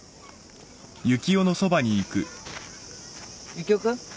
ユキオ君。